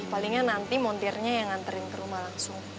palingnya nanti montirnya yang nganterin ke rumah langsung